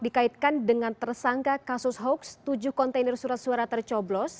dikaitkan dengan tersangka kasus hoax tujuh kontainer surat suara tercoblos